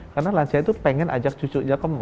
karena lansia itu pengen ajak cucunya ke mall